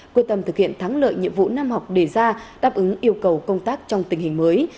quyết tâm thực hiện thắng lợi nhiệm vụ năm học đề ra đáp ứng yêu cầu công tác trong tình hình mới